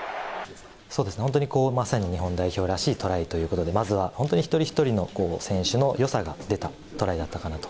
本当にまさに日本代表らしいトライということで、まずは本当に一人一人の選手のよさが出たトライだったかなと。